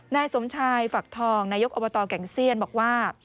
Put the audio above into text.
นายสมชายฝักทองนายกอบตแก่งเซียนบอกว่า